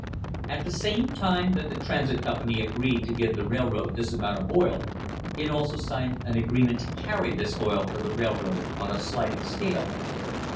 At the same time that the Transit Company agreed to give the railroad this amount of oil, it also signed an agreement to carry this oil for the railroad on a sliding scale.